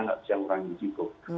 nggak bisa ngurangin di situ